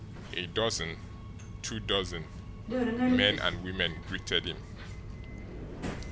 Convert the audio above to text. A dozen, two dozen, men and women greeted him.